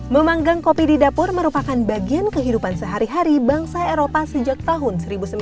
memanggang kopi di dapur merupakan bagian kehidupan sehari hari bangsa eropa sejak tahun seribu sembilan ratus sembilan puluh